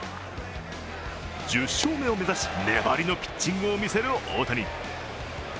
１０勝目を目指し、粘りのピッチングを見せる大谷。